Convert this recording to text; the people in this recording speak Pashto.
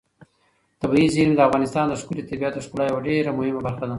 طبیعي زیرمې د افغانستان د ښكلي طبیعت د ښکلا یوه ډېره مهمه برخه ده.